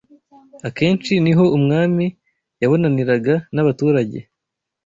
akenshi ni ho umwami yabonaniraga n’abaturage